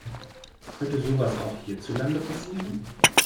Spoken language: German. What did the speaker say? Könnte sowas auch hierzulande passieren?